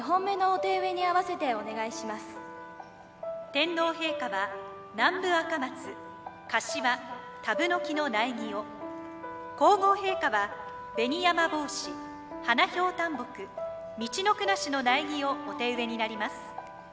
天皇陛下は南部アカマツカシワタブノキの苗木を皇后陛下はベニヤマボウシハナヒョウタンボクミチノクナシの苗木をお手植えになります。